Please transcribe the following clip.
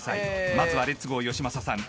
［まずはレッツゴーよしまささん］